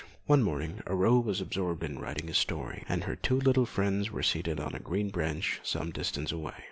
One morning Aurore was absorbed in writing a story, and her two little friends were seated on a green branch some distance away.